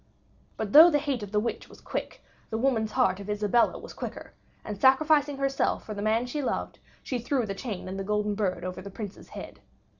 But though the hate of the witch was quick, the woman's heart of Isabella was quicker, and sacrificing herself for the man she loved, she threw the chain and the golden bird over the Prince's head.